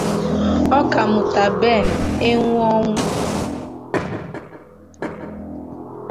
Ọkammụta Ben Enwọnwụ